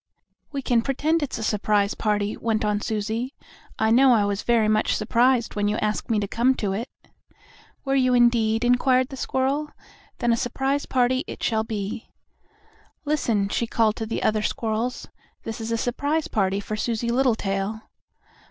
"We can pretend it's a surprise party," went on Susie. "I know I was very much surprised when you asked me to come to it." "Were you, indeed?" inquired the squirrel. "Then a surprise party it shall be. Listen!" she called to the other squirrels; "this is a surprise party for Susie Littletail."